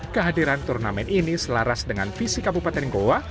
kehadiran turnamen ini selaras dengan visi kabupaten goa